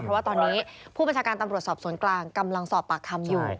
เพราะว่าตอนนี้ผู้บัญชาการตำรวจสอบสวนกลางกำลังสอบปากคำอยู่